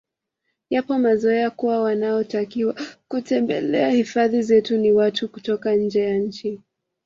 Yapo mazoea kuwa wanaotakiwa kutembelea hifadhi zetu ni watu kutoka nje ya nchi